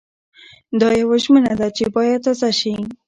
دا يوه ژمنه ده چې بايد تازه شي.